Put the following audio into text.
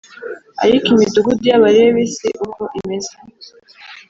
Ariko imidugudu y’Abalewi si uko imeze